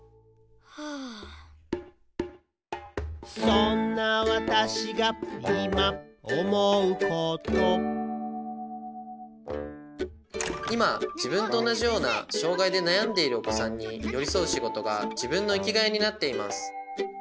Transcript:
「そんな私がいま思うこと」いまじぶんとおなじようなしょうがいでなやんでいるおこさんによりそうしごとがじぶんのいきがいになっています。